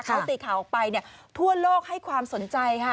เขาตีข่าวออกไปทั่วโลกให้ความสนใจค่ะ